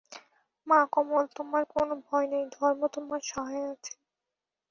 মা কমল, তোমার কোনো ভয় নাই, ধর্ম তোমার সহায় আছেন।